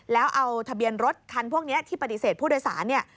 แล้วเอาทะเบียนรถคันพวกนี้ที่ปฏิเสธผู้โดยสารเนี่ย